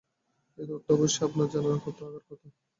এ-তথ্যও অবশ্যই আপনার জানা থাকার কথা।